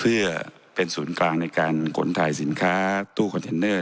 เพื่อเป็นศูนย์กลางในการขนถ่ายสินค้าตู้คอนเทนเนอร์